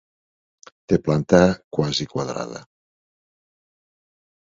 Té planta quasi quadrada.